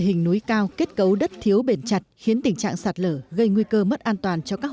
hình núi cao kết cấu đất thiếu bền chặt khiến tình trạng sạt lở gây nguy cơ mất an toàn cho các